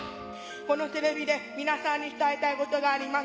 このテレビで、皆さんに伝えたいことがあります。